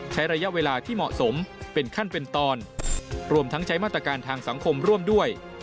ใช้ระยะเวลาที่เหมาะสมเป็นขั้นเป็นตอนรวมทั้งใช้มาตรการทางสังคมร่วมด้วย